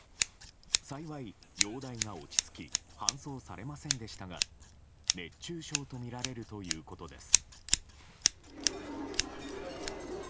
幸い、容体が落ち着き搬送されませんでしたが熱中症とみられるということです。